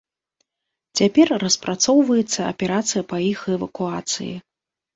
Цяпер распрацоўваецца аперацыя па іх эвакуацыі.